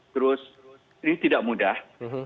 terus ini tidak mudah